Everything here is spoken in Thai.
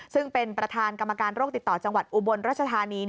ซึ่งเป็นประธานกรรมการโรคติดต่อจังหวัดอุบลรัชธานี